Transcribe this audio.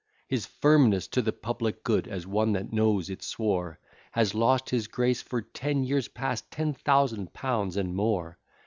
His firmness to the public good, as one that knows it swore, Has lost his grace for ten years past ten thousand pounds and more.